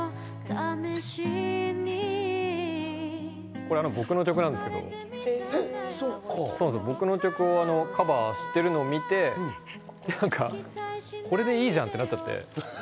これ僕の曲なんですけど、僕の曲をカバーしてるのを見て、なんか、これでいいじゃんってなっちゃって。